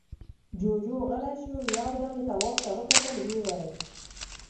جُوجُو غلی شو، يو دم يې تواب ته وکتل، ويې ويل: